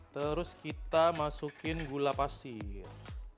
terus kita masukin gula pasir